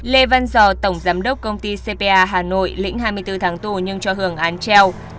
lê văn giò tổng giám đốc công ty cpa hà nội lĩnh hai mươi bốn tháng tù nhưng cho hưởng án treo